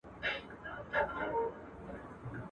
یو وخت ژمی وو او واوري اورېدلې !.